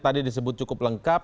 tadi disebut cukup lengkap